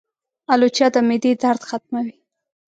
الوچه د معدې درد ختموي.